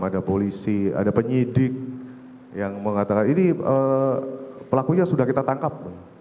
ada polisi ada penyidik yang mengatakan ini pelakunya sudah kita tangkap